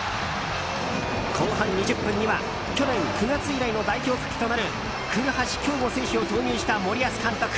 後半２０分には去年９月以来の代表復帰となる古橋亨梧選手を投入した森保監督。